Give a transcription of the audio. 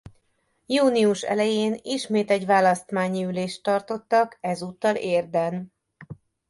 Június elején ismét egy választmányi ülést tartottak ezúttal Érden.